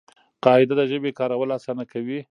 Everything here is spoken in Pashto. قاعده د ژبي کارول آسانه کوي.